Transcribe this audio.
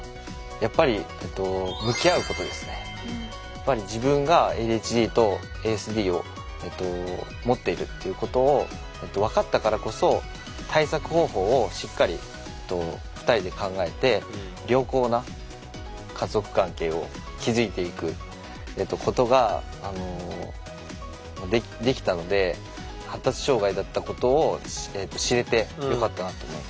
やっぱりやっぱり自分がＡＤＨＤとＡＳＤを持っているっていうことを分かったからこそ対策方法をしっかり２人で考えて良好な家族関係を築いていくことができたので発達障害だったことを知れてよかったなって思います。